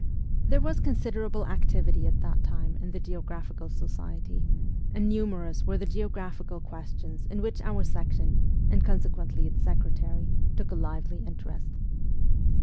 There was considerable activity at that time in the Geographical Society, and numerous were the geographical questions in which our section, and con sequently its secretary, took a lively interest.